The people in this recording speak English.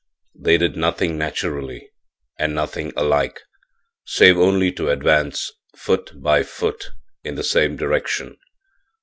They did nothing naturally, and nothing alike, save only to advance foot by foot in the same direction.